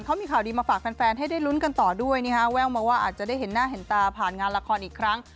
เขามีข่าวดีมาฝากแฟนให้ได้ลุ้นกันต่อด้วยนะฮะแววมาว่าอาจจะได้เห็นหน้าเห็นตาผ่านงานละครอีกครั้ง